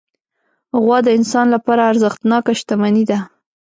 غوا د انسان لپاره ارزښتناکه شتمني ده.